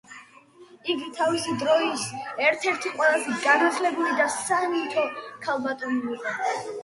იგი თავისი დროის ერთ-ერთი ყველაზე განათლებული და სათნო ქალბატონი იყო.